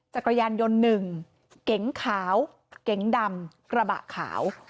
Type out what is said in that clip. จักรยานยนต์หนึ่งเก๋งขาวเก๋งดำกระบะขาว